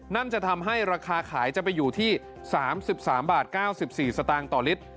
นั่นจะทำให้ราคาขายจะไปอยู่ที่๓๓บาท๙๔สตางค์ต่อลิตร